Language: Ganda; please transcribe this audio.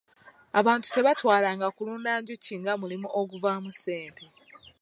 Abantu tebaatwalanga kulunda njuki nga mulimu oguvaamu ssente.